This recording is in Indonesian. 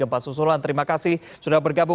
yudi pak yudi terima kasih pak yudi